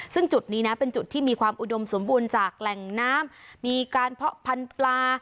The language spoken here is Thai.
ซึ่งจุดนี้นะเป็นจุดที่มีความอุดมสมบูรณ์จากแหล่งน้ำมีการเพาะพันธุ์ปลา